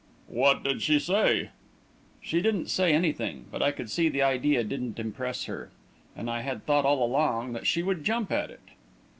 "What did she say?" "She didn't say anything, but I could see the idea didn't impress her. And I had thought all along that she would jump at it."